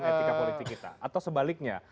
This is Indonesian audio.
etika politik kita atau sebaliknya